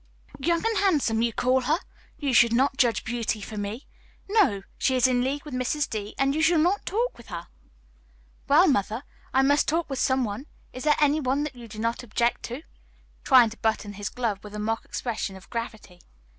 "Young and handsome, you call her! You should not judge beauty for me. No, she is in league with Mrs. D., and you shall not talk with her." "Well, mother, I must talk with some one. Is there any one that you do not object to?" trying to button his glove, with a mock expression of gravity.